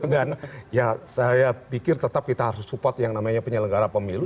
dan saya pikir tetap kita harus support yang namanya penyelenggara pemilu